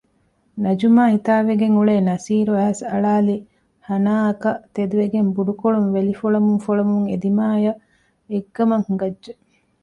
ނަޖުމާ ހިތާވެގެން އުޅޭ ނަސީރު އައިސް އަޅައިލި ހަނާއަކަށް ތެދުވެގެން ބުޑުކޮޅުން ވެލިފޮޅަމުންފޮޅަމުން އެދިމާޔަށް އެއްގަމަށް ހިނގައްޖެ